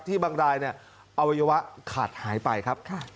ที่บางรายเนี่ยอวัยวะขาดหายไปครับ